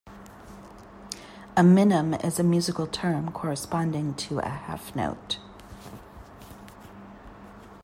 A minim is a musical term corresponding to a half note.